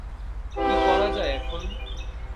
কী করা যায় এখন?